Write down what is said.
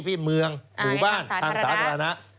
ที่เมืองหมู่บ้านทางสาธารณะ